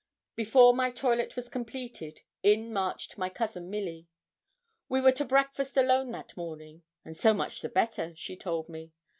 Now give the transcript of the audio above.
Before my toilet was completed, in marched my cousin Milly. We were to breakfast alone that morning, 'and so much the better,' she told me.